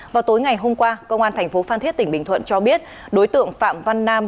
vào tối ngày hôm qua công an thành phố phan thiết tỉnh bình thuận cho biết đối tượng phạm văn nam